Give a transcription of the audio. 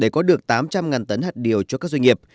để có được tám trăm linh tấn hạt điều cho các doanh nghiệp